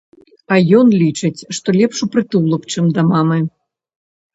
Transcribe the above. А ён лічыць, што лепш у прытулак, чым да мамы.